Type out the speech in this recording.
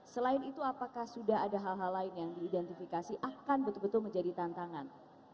selain itu apakah sudah ada hal hal lain yang diidentifikasi akan betul betul menjadi tantangan